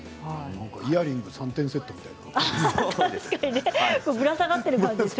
イヤリング３点セットみたいですね。